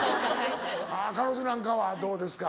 はぁ彼女なんかはどうですか？